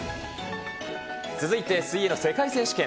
続いて水泳の世界選手権。